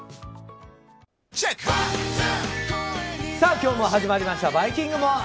今日も始まりました「バイキングＭＯＲＥ」。